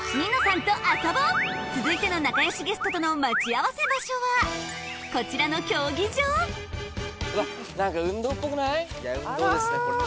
続いての仲良しゲストとの待ち合わせ場所はこちらの競技場運動ですねこれは。